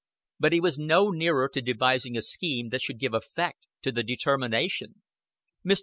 But he was no nearer to devising a scheme that should give effect to the determination. Mr.